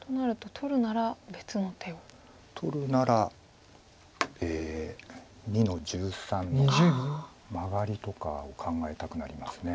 取るなら２の十三のマガリとかを考えたくなります。